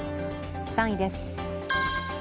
３位です。